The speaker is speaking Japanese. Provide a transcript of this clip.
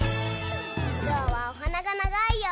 ぞうはおはながながいよ。